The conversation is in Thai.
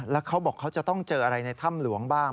แล้วเขาบอกเขาจะต้องเจออะไรในถ้ำหลวงบ้าง